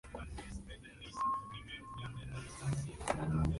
Así se evita tener arriesgadas actividades en el proyecto finalizado.